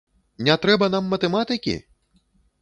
Не трэба нам матэматыкі?